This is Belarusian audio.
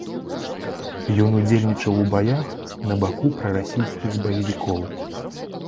Ён удзельнічаў у баях на баку прарасійскіх баевікоў.